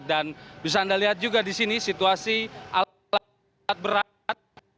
dan bisa anda lihat juga di sini situasi alat alat berat